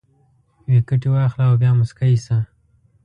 ویکټې واخله او بیا موسکی شه